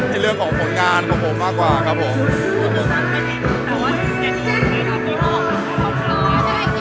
ในเรื่องของผลงานของผมมากกว่าครับผม